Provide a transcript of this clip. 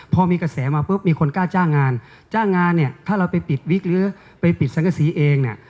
พอมีกระแสมาปุ๊บมีคนกล้าจ้างงานจ้างงานเนี่ยถ้าเราไปปิดวิกหรือไปปิดสังกษีเองเนี่ย